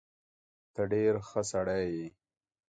ته ډېر ښه سړی يې.